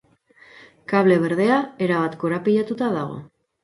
Kable berdea erabat korapilatuta dago.